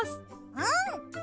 うん！